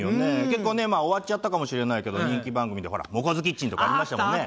結構ね終わっちゃったかもしれないけど人気番組でほら「ＭＯＣＯ’Ｓキッチン」とかありましたもんね。